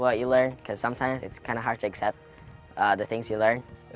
karena kadang kadang agak sulit untuk mengikuti hal hal yang kamu pelajari